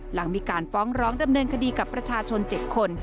หลังมีการฟ้องร้องดำเนินคดีกับประชาชน๗คน